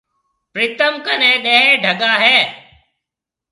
پرتم ڪني ڏيه ڊگا هيَ۔